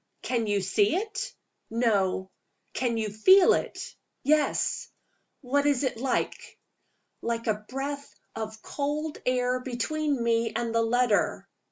"Can you see it?" "No." "Can you feel it?" "Yes!" "What is it like?" "Like a breath of cold air between me and the letter."